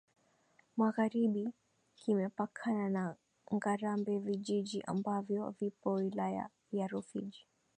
Magharibi kimepakana na Ngarambe vijiji ambavyo vipo Wilaya ya Rufiji